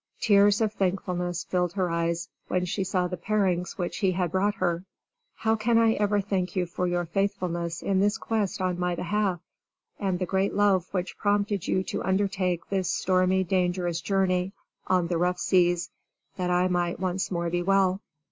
Tears of thankfulness filled her eyes when she saw the parings which he had brought her. "How can I ever thank you for your faithfulness in this quest in my behalf, and the great love which prompted you to undertake this stormy, dangerous journey on the rough seas that I might once more be well?"